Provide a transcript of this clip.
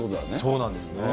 そうなんですね。